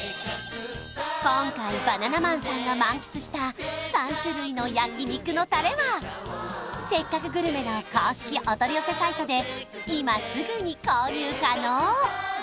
今回バナナマンさんが満喫した３種類の焼肉のタレは「せっかくグルメ！！」の公式お取り寄せサイトで今すぐに購入可能！